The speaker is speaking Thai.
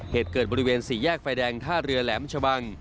เหตุเกิดบริเวณสี่แยกไฟแดงท่าเรือแหลมชะบัง